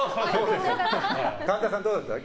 神田さん、どうでしたか？